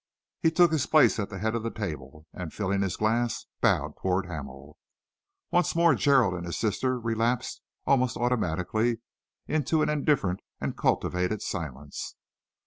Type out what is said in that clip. He took his place at the head of the table and, filling his glass, bowed towards Hamel. Once more Gerald and his sister relapsed almost automatically into an indifferent and cultivated silence.